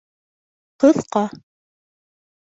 Ҡыҫҡа